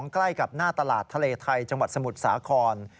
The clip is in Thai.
ใกล้กับหน้าตลาดทะเลไทยจังหวัดสมุทรสาคร